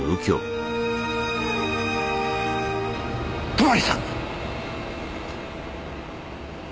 泊さん！